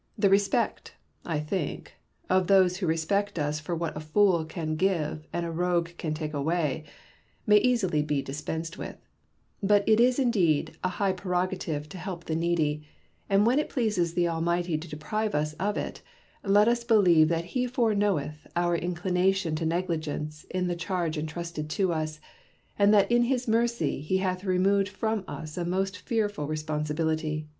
Hooker. The respect, I think, of those who respect us for what a fool can give and a rogue can take away, may easily be dispensed with ; but it is indeed a high prerogative to help the needy ; and when it pleases the Almighty to deprive us of it, let us believe that he foreknoweth our in clination to negligence in the charge entrusted to us, and that in his mercy he hath removed from us a most fearful responsibility.